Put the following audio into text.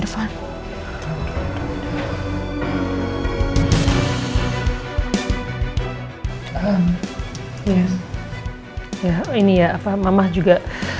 sekarang ya gue benci aiknya